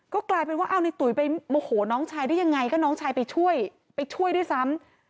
ก็กลายเป็นว่าเอาในตุ๋ยไปโมโหน้องชายได้ยังไงก็น้องชายไปช่วยไปช่วยด้วยซ้ำ